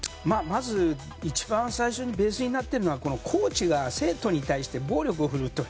まず一番最初にベースになっているのがコーチが生徒に対して暴力を振るうと。